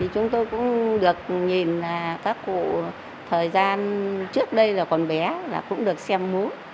chúng tôi cũng được nhìn các cụ thời gian trước đây là quần bé cũng được xem múa